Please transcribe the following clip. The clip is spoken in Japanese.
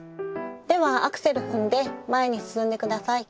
ではアクセル踏んで前に進んで下さい。